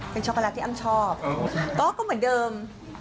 เป็นช็อกโกแลตที่อ้ำชอบก็เหมือนเดิม